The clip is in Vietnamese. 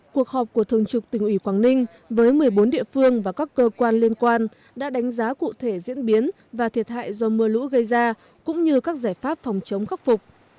cuộc họp của thường trực tỉnh ủy quảng ninh với một mươi bốn địa phương và các cơ quan liên quan đã đánh giá cụ thể diễn biến và thiệt hại do mưa lũ gây ra cũng như các giải pháp phòng chống khắc phục